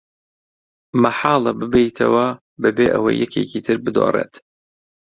مەحاڵە ببەیتەوە بەبێ ئەوەی یەکێکی تر بدۆڕێت.